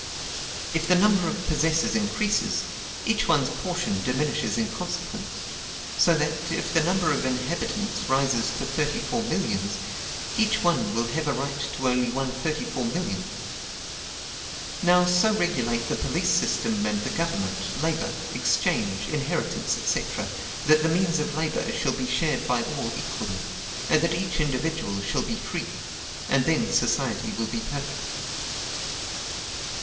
If the number of possessors increases, each one's portion diminishes in consequence; so that, if the number of inhabitants rises to thirty four millions, each one will have a right only to 1/34,000,000. Now, so regulate the police system and the government, labor, exchange, inheritance, &c., that the means of labor shall be shared by all equally, and that each individual shall be free; and then society will be perfect.